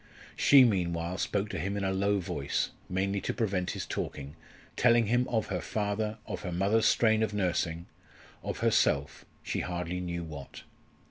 She meanwhile, spoke to him in a low voice, mainly to prevent his talking, telling him of her father, of her mother's strain of nursing of herself she hardly knew what.